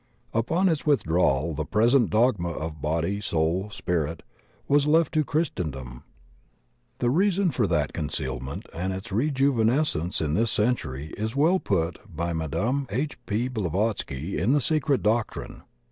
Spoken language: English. Upon its witiidrawal the present dogma of body, soul, spirit, was left to Oiristendom. The reason for that concealment and its rejuvenes cence in this century is well put by Mme. H. P. Bla vatsky in the Secret Doctrine.